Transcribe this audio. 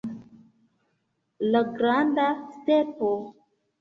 La granda stepo.